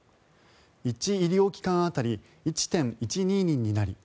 １医療機関当たり１．１２人になり